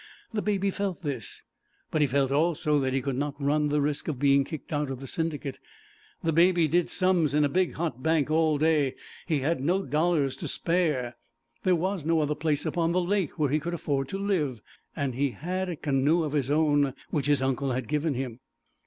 The Baby felt this, but he felt also that he could not run the risk of being kicked out of the Syndicate. The Baby did sums in a big hot bank all day; he had no dollars to spare, there was no other place upon the lake where he could afford to live, and he had a canoe of his own which his uncle had given him.